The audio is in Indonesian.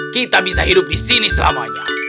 kita bisa hidup di sini selamanya